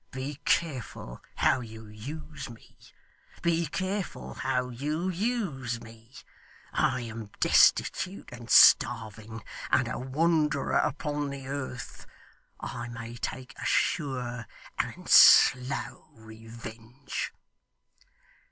Be careful how you use me. Be careful how you use me. I am destitute and starving, and a wanderer upon the earth. I may take a sure and slow revenge.